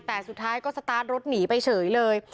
แต่สุดท้ายก็สตาร์ทรถหนีไปเฉยเลย